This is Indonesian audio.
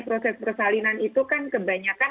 proses persalinan itu kan kebanyakan